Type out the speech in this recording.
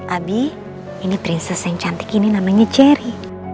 abi ini prinses yang cantik ini namanya cherry